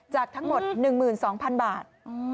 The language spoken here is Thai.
จากทั้งหมด๑๒๐๐๐บาท